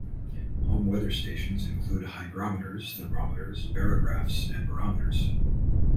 Home weather stations include hygrometers, thermometers, barographs, and barometers.